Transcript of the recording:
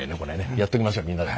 やっときましょうみんなで。